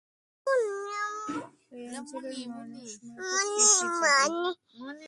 এই অঞ্চলের মানুষ মূলত কৃষিজীবী।